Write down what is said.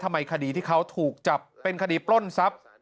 ทำไมคดีที่เขาถูกจับเป็นคดีปล้นทรัพย์